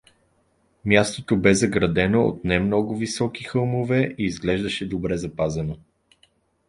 Мястото бе заградено от немного високи хълмове и изглеждаше добре запазено.